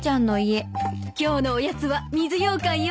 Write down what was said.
今日のおやつは水ようかんよ。